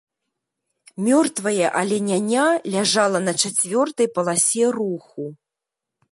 Мёртвае аленяня ляжала на чацвёртай паласе руху.